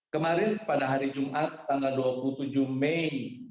kemarin pada hari jumat tanggal dua puluh tujuh mei dua ribu dua puluh dua